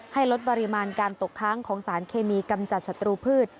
ให้ลดปริมาณการตกค้างของสารเคมีกำจัดศัตรูพืช